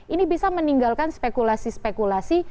ini bisa meninggalkan spekulasi spekulasi